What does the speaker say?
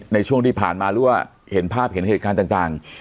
ในช่วงที่ผ่านมาหรือว่าเห็นภาพเห็นเหตุการณ์ต่าง